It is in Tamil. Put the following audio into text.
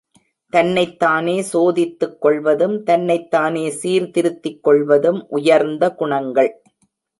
தன்னைத்தானே சோதித்துக் கொள்வதும், தன்னைத் தானே சீர்திருத்திக் கொள்வதும் உயர்ந்த குணங்கள்.